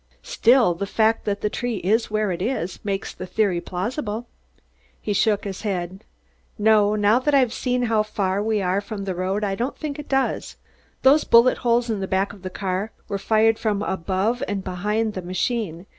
"Still, the fact that the tree is where it is, makes the theory plausible." He shook his head. "No. Now that I've seen how far we are from the road I don't think it does. Those bullet holes in the back of the car were fired from above and behind the machine.